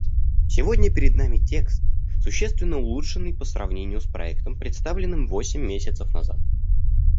Сегодня перед нами текст, существенно улучшенный по сравнению с проектом, представленным восемь месяцев назад.